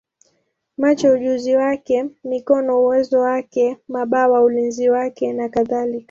macho ujuzi wake, mikono uwezo wake, mabawa ulinzi wake, nakadhalika.